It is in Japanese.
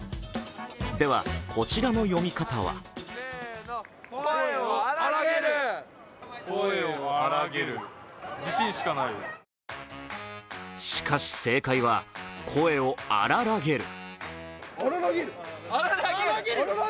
では、こちらの読み方はしかし、正解は声をあららげる。